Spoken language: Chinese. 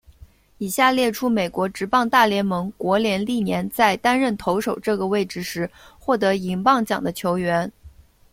以下列出美国职棒大联盟国联历年在担任投手这个位置时获得银棒奖的球员。